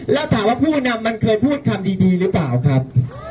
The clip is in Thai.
และการถามว่าผู้นำมันเคยพูดคำดีหรือเปล่าครับ